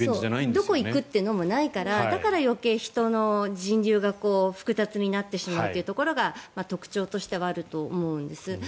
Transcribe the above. どこへ行くというのもないからだから余計に人の人流が複雑になってしまうというところが特徴としてはあると思うんです。